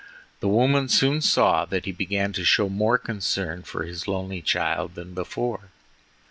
The woman soon saw that he began to show more concern for his lonely child than before.